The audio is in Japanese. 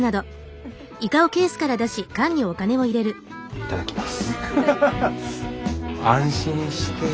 いただきます。